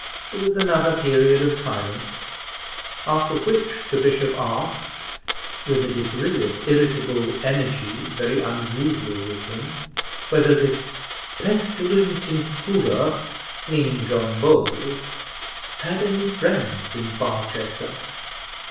There was another period of silence, after which the bishop asked, with a degree of irritable energy, very unusual with him, whether this "pestilent intruder" (meaning John Bold) had any friends in Barchester.